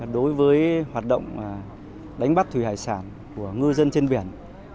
đối với hoạt động đánh bắt thủy hải sản của ngư dân trên biển